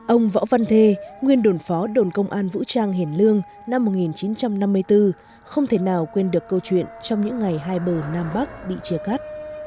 ông võ văn thê nguyên đồn phó đồn công an vũ trang hiền lương năm một nghìn chín trăm năm mươi bốn không thể nào quên được câu chuyện trong những ngày hai bờ nam bắc bị chia cắt